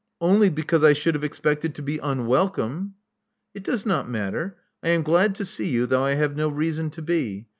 Only because I should have expected to be unwelcome." It does not matter. I am glad to see you, though I have no reason to be.